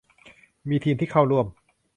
มีทีมที่เข้าร่วม